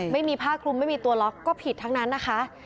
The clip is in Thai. ไม่มีผ้าคลุมไม่มีตัวล็อกก็ผิดทั้งนั้นนะคะ